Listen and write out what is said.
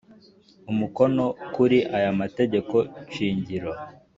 Umukono kuri aya mategeko shingiro